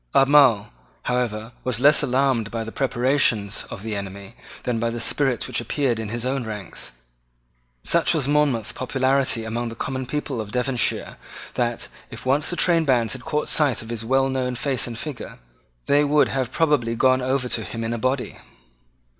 Albemarle, however, was less alarmed by the preparations of the enemy than by the spirit which appeared in his own ranks. Such was Monmouth's popularity among the common people of Devonshire that, if once the trainbands had caught sight of his well known face and figure, they would have probably gone over to him in a body.